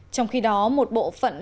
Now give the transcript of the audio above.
trong khi đó một bộ phận giới trẻ hàn quốc